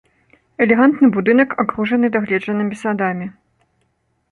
Элегантны будынак акружаны дагледжанымі садамі.